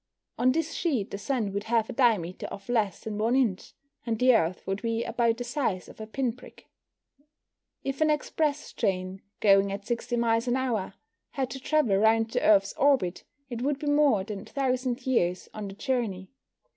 On this sheet the Sun would have a diameter of less than 1 inch, and the Earth would be about the size of a pin prick. If an express train, going at 60 miles an hour, had to travel round the Earth's orbit, it would be more than 1,000 years on the journey.